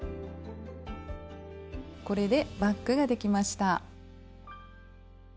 これでバッグができました。